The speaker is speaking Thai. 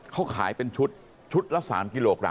เขาขายเป็นชุดชุดละ๓กิโลกรั